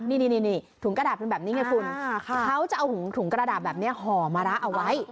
นี่ถุงกระดาษเป็นแบบนี้ไงคุณเขาจะเอาถุงกระดาษแบบนี้ห่อมะระเอาไว้